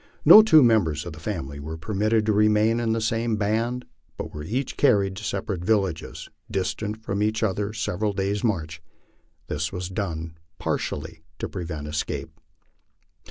No two members of the family were permitted to remain in the same band, but were each carried to separate villages, distant from each other several days' march. This was done partly to prevent escape.